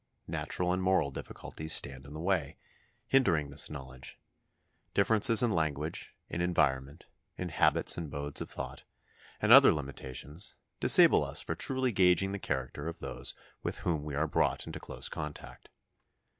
Natural and moral difficulties stand in the way, hindering this knowledge; differences in language, in environment, in habits and modes of thought, and other limitations, disable us for truly gauging the character of those with whom we are brought into close contact.